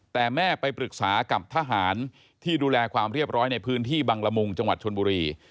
แต่แม่ไปปรึกษากับทหารที่ดูแลความเรียบร้อยในพื้นที่บังละมุงจังหวัดชนบุรี